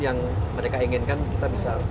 yang mereka inginkan kita bisa